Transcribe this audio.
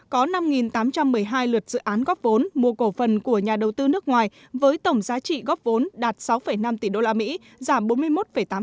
có năm tám trăm một mươi hai lượt dự án góp vốn mua cổ phần của nhà đầu tư nước ngoài với tổng giá trị góp vốn đạt sáu năm tỷ usd giảm bốn mươi một tám